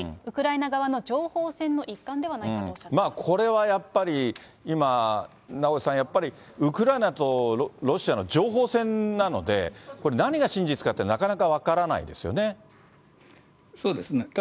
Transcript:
ウクライナ側の情報戦の一環ではないかこれはやっぱり、今、名越さん、やっぱり、ウクライナとロシアの情報戦なので、これ、何が真実かってなかなか分からないですよね。